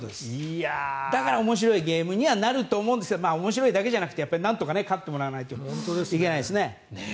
だから面白いゲームにはなると思うんですが面白いだけじゃなくてなんとか勝ってもらわないといけないですね。